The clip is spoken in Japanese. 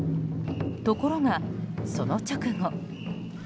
ところが、その直後。